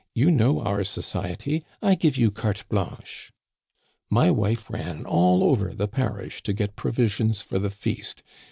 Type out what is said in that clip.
You know our society. I give you carte blanche' My wife ran all over the parish to get provisions for the feast.